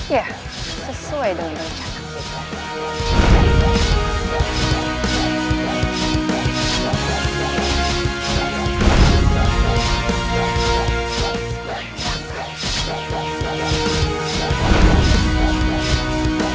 ya sesuai dengan rencana